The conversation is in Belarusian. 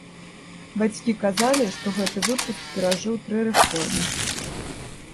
Бацькі казалі, што гэты выпуск перажыў тры рэформы.